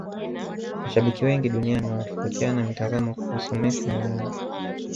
mashabiki wengi duniani wanatofautiana mitazamao kuhusu messi na ronaldo